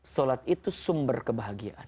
sholat itu sumber kebahagiaan